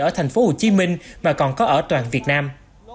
ở thành phố hồ chí minh mà còn có ở toàn việt nam